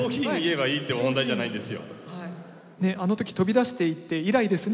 「あの時飛び出していって以来ですね」